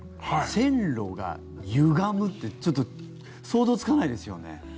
線路がゆがむってちょっと想像つかないですよね。